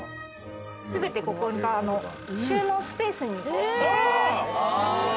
全て、ここが収納スペースに。